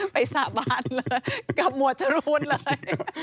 สาบานเลยกับหมวดจรูนเลย